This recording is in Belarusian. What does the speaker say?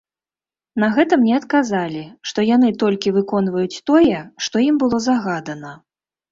На гэта мне адказалі, што яны толькі выконваюць тое, што ім было загадана.